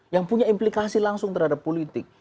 yang punya implikasi langsung terhadap politik